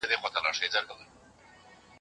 ما مخکي د سبا لپاره د سوالونو جواب ورکړی وو